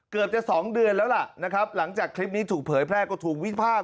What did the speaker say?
เกือบจะสองเดือนแล้วล่ะนะครับหลังจากคลิปนี้ถูกเผยแพร่ก็ถูกวิพากษ